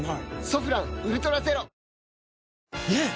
「ソフランウルトラゼロ」ねえ‼